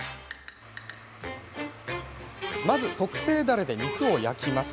まず特製だれで肉を焼きます。